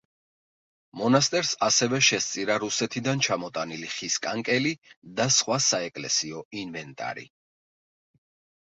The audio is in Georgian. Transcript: მონასტერს ასევე შესწირა რუსეთიდან ჩამოტანილი ხის კანკელი და სხვა საეკლესიო ინვენტარი.